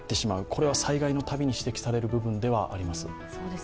これは災害のたびに指摘される部分ではあります。